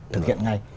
thực hiện ngay